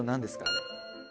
あれ。